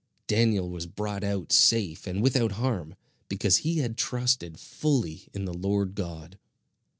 Daniel was brought out safe and without harm, because he had trusted fully in the Lord God.